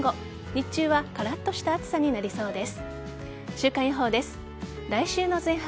日中はカラッとした暑さになりそうです。